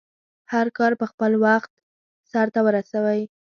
هرکار په خپل وخټ سرته ورسوی